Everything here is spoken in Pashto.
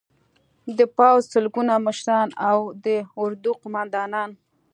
د پوځ سلګونه مشران او د اردو قومندانان